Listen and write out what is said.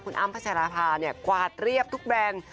อ้ำพัชราภากวาดเรียบทุกแบรนด์